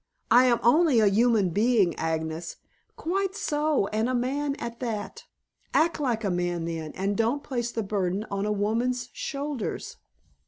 "I am only a human being, Agnes " "Quite so, and a man at that. Act like a man, then, and don't place the burden on a woman's shoulders."